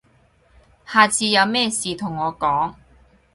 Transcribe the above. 下次有咩事同我講